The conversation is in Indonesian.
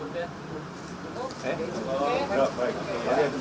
mungkin dari pak esri atau pak anies adalah tanggung jawabnya pak